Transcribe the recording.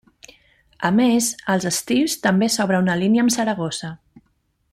A més, als estius també s'obre una línia amb Saragossa.